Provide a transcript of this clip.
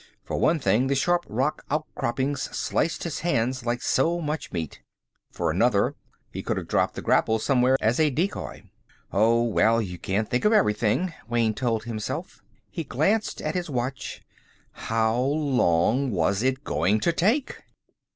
For one thing, the sharp rock outcroppings sliced his hands like so much meat. For another, he could have dropped the grapples somewhere as a decoy. Oh, well, you can't think of everything, Wayne told himself. He glanced at his watch. How long was it going to take?